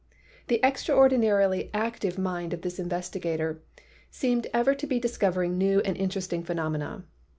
The extraordinarily active mind of this investigator seemed ever to be discovering new and interesting phe nomena.